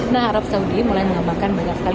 nah arab saudi mulai mengamalkan banyak sekali